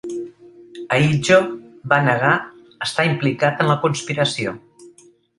Ahidjo va negar estar implicat en la conspiració.